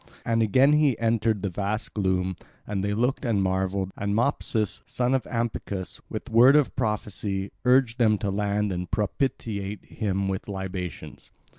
And again he entered the vast gloom; and they looked and marvelled; and Mopsus, son of Ampycus, with word of prophecy urged them to land and propitiate him with libations.